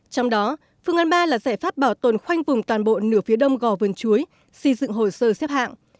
trong đó phương án ba là giải pháp bảo tồn khoanh vùng toàn bộ nửa phía đông gò vườn chuối xây dựng hồ sơ xếp hạng